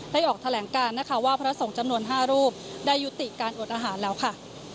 ออกแถลงการนะคะว่าพระสงฆ์จำนวน๕รูปได้ยุติการอดอาหารแล้วค่ะ